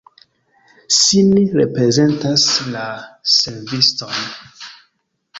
Sin reprezentas la serviston.